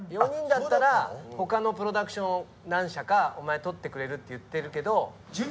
「４人だったら他のプロダクション何社かお前取ってくれるって言ってるけど」。